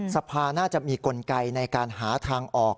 สภาน่าจะมีกลไกในการหาทางออก